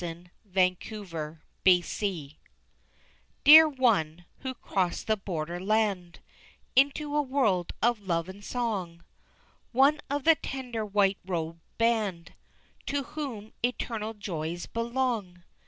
] Until We Meet Dear one, who crossed the border land Into a world of love and song, One of the tender white robed band To whom eternal joys belong!